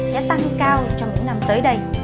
sẽ tăng cao trong những năm tới đây